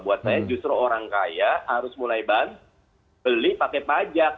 buat saya justru orang kaya harus mulai bantu beli pakai pajak